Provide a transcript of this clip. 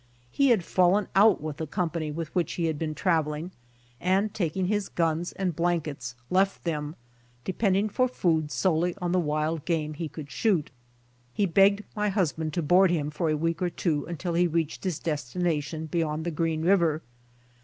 He had fallen out with the company with which he was traveling, and taking his guns and blankets, left them, depend ing for food solely on the wild game he could shoot. He begged my husband to board him for a week or two until he reached his destination beyond the Green river.